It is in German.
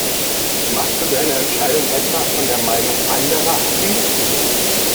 Machst du deine Entscheidung etwa von der Meinung anderer abhängig?